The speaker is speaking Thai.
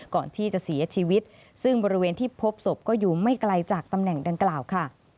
ก่อนที่จะเสียชีวิตซึ่งบริเวณที่พบศพก็อยู่ไม่ไกลจากตำแหน่งดังกล่าวค่ะ